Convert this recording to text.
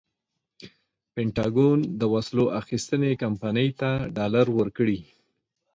پنټاګون د وسلو اخیستنې کمپنۍ ته ډالر ورکړي.